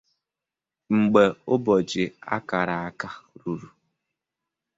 Mgbe ụbọchị a kara aka ruru